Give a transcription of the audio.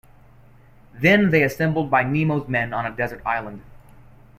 Then they are assembled by Nemo's men on a desert island.